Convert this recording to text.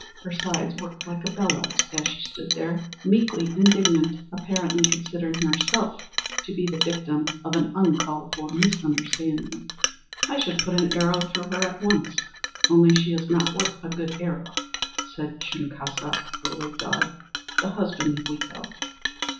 Her sides worked like a bellows as she stood there, meekly indignant, apparently considering herself to be the victim of an uncalled for misunderstanding. "I should put an arrow through her at once, only she is not worth a good arrow," said Shunkaska, or White Dog, the husband of Weeko.